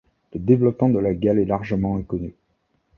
Le développement de la galle est largement inconnu.